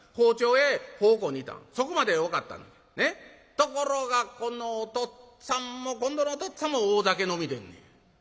ところがこのおとっつぁんも今度のおとっつぁんも大酒飲みでんねや」。